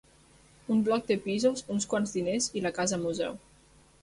Un bloc de pisos, uns quants diners i la casa museu.